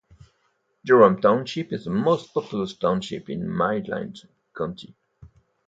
Jerome Township is the most populous township in Midland County.